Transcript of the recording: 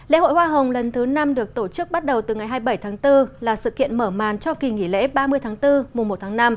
lễ hội hoa hồng lần thứ năm được tổ chức bắt đầu từ ngày hai mươi bảy tháng bốn là sự kiện mở màn cho kỳ nghỉ lễ ba mươi tháng bốn